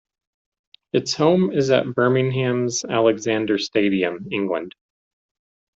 Its home is at Birmingham's Alexander Stadium, England.